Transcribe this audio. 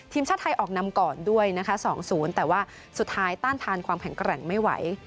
ทีมชาติไทยออกนำก่อนด้วยนะคะ๒๐แต่ว่าสุดท้ายต้านทานความแข็งแกร่งไม่ไหว